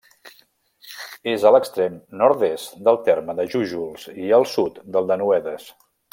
És a l'extrem nord-est del terme de Jújols i al sud del de Noedes.